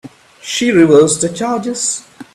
She reversed the charges.